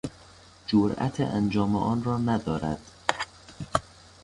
جرات انجام آن را ندارد.